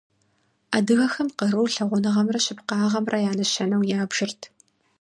Адыгэхэм кърур лъагъуныгъэмрэ щыпкъагъэмрэ я нэщэнэу ябжырт.